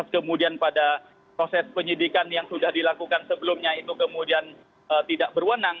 kemudian pada proses penyidikan yang sudah dilakukan sebelumnya itu kemudian tidak berwenang